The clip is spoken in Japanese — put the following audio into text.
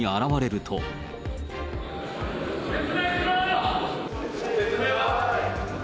説明は？